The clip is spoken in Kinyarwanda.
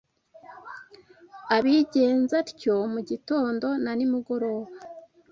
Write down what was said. abigenza atyo mu gitondo na nimugoroba.